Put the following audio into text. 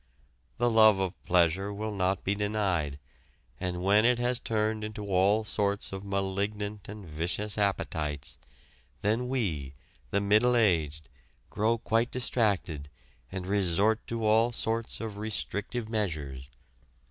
The love of pleasure will not be denied, and when it has turned into all sorts of malignant and vicious appetites, then we, the middle aged, grow quite distracted and resort to all sorts of restrictive measures."